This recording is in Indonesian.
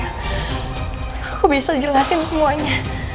aku bisa jelasin semuanya